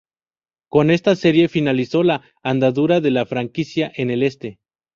Con esta serie finalizó la andadura de la franquicia en el Este.